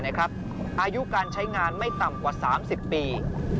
อายุการใช้งานไม่ต่ำกว่า๓๐ปี